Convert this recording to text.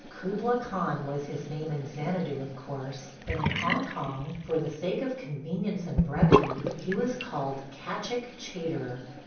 ... Kubla Khan was his name in Xanadu of course, but in Hong Kong, for the sake of convenience and brevity, he was called Catchik Chater.